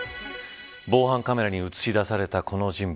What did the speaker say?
防犯カメラに映し出されたこの人物。